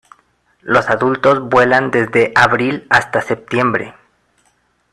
Los adultos vuelan desde Abril hasta Septiembre.